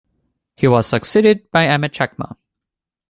He was succeeded by Amit Chakma.